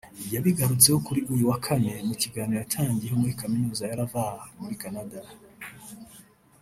yabigarutseho kuri uyu wa Kane mu kiganiro yatangiye muri Kaminuza ya Laval muri Canada